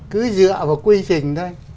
cứ dựa vào quy trình thôi